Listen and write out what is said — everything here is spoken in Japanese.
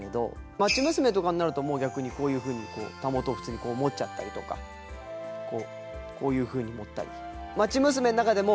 町娘とかになると逆にこういうふうにたもと普通に持っちゃったりとかこういうふうに持ったり。